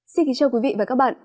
xin kính chào quý vị và các bạn